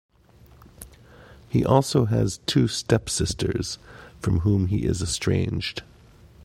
He also has two step-sisters, from whom he is estranged.